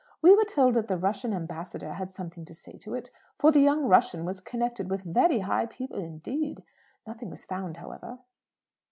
We were told that the Russian ambassador had something to say to it; for the young Russian was connected with very high people indeed. Nothing was found, however."